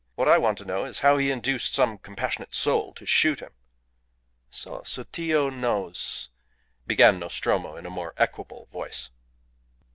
What I want to know is how he induced some compassionate soul to shoot him." "So Sotillo knows " began Nostromo, in a more equable voice.